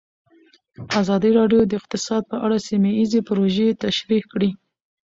ازادي راډیو د اقتصاد په اړه سیمه ییزې پروژې تشریح کړې.